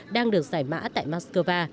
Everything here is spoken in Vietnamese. đang được giải mã tại moscow